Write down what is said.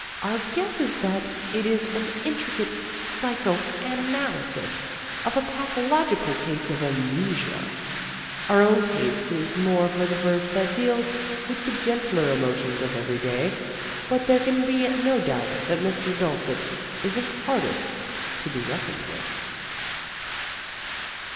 Our guess is that it is an intricate psycho analysis of a pathological case of amnesia. Our own taste is more for the verse that deals with the gentler emotions of every day, but there can be no doubt that Mr. Dulcet is an artist to be reckoned with.